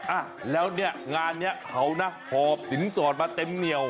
อ่ะแล้วเนี่ยงานนี้เขานะหอบสินสอดมาเต็มเหนียว